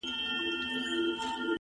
يار ژوند او هغه سره خنـديږي ـ